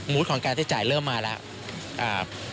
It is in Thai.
มูลของการที่จ่ายเริ่มมาแล้ว